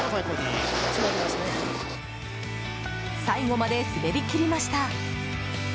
最後まで滑り切りました。